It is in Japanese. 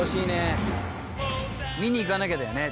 見に行かなきゃだよね